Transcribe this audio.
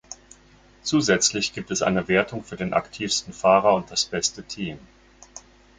Zusätzlich gibt es eine Wertung für den aktivsten Fahrer und das beste Team.